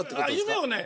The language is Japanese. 夢をね